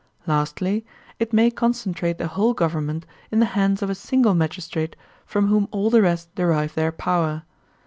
Lastly, it may concentrate the whole government in the hands of a single magistrate from whom all the rest derive their power.